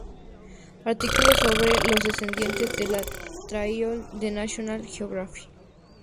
Artículo sobre los descendientes de los Tayrona en National Geographic.